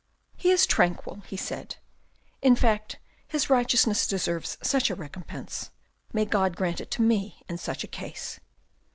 " He is tranquil," he said, " in fact his righteousness deserves such a recompense. May God grant it to me in such a case."